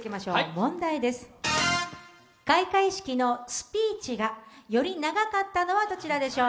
問題です、開会式のスピーチがより長かったのはどちらでしょう？